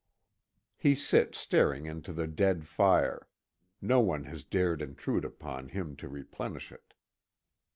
He sits staring into the dead fire no one has dared intrude upon him to replenish it.